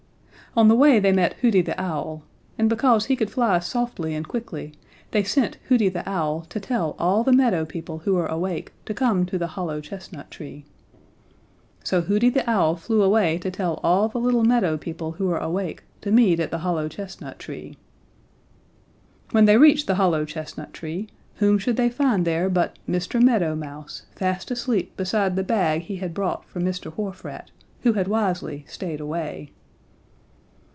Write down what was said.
"On the way they met Hooty the Owl, and because he could fly softly and quickly, they sent Hooty the Owl to tell all the meadow people who were awake to come to the hollow chestnut tree. So Hooty the Owl flew away to tell all the little meadow people who were awake to meet at the hollow chestnut tree. "When they reached the hollow chestnut tree whom should they find there but Mr. Meadow Mouse fast asleep beside the bag he had brought for Mr. Wharf Rat, who had wisely stayed away.